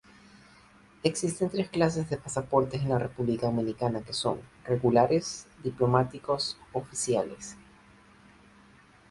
Existen tres clases de pasaportes en la República Dominicana, que son: regulares, diplomáticos, oficiales.